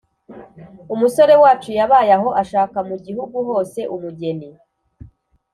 umusore wacu yabaye aho ashaka mu gihugu hose umugeni